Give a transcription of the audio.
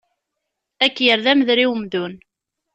Ad k-yerr d amder i umdun.